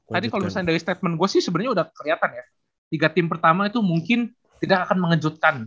tadi kalau misalnya dari statement gue sih sebenarnya udah kelihatan ya tiga tim pertama itu mungkin tidak akan mengejutkan